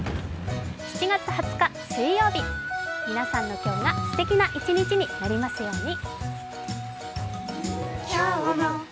７月２０日水曜日皆さんの今日がすてきな一日になりますように。